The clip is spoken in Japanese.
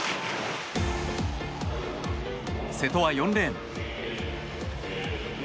瀬戸は４レーン。